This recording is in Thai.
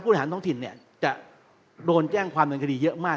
ฐานท้องถิ่นเนี่ยจะโดนแจ้งความเดินคดีเยอะมาก